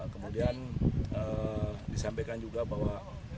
kemudian disampaikan juga bahwa